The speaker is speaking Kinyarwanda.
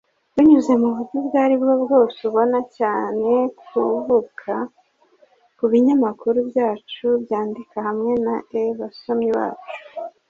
binyuze muburyo ubwo aribwo bwose ubona cyane kuvuka. kubinyamakuru byacu byandika hamwe na e-basomyi bacu,